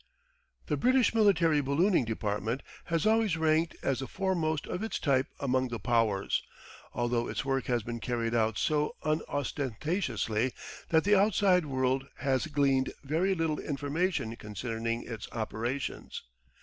The British military ballooning department has always ranked as the foremost of its type among the Powers, although its work has been carried out so unostentatiously that the outside world has gleaned very little information concerning its operations.